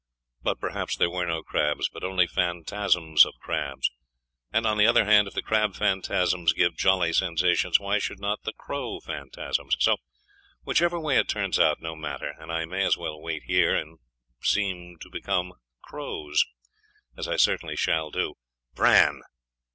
But perhaps there were no crabs, but only phantasms of crabs.... And, on the other hand, if the crab phantasms give jolly sensations, why should not the crow phantasms? So whichever way it turns out, no matter; and I may as well wait here, and seem to become crows, as I certainly shall do. Bran!....